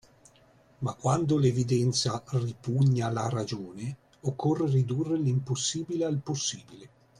Ma quando l'evidenza ripugna alla ragione, occorre ridurre l'impossibile al possibile.